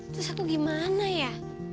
terus aku gimana ya